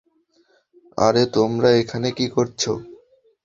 আরে তোমরা এখানে কি করছো?